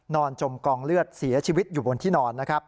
นอนจมกองเลือดเสียชีวิตอยู่บนที่นอน